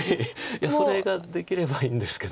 いやそれができればいいんですけど。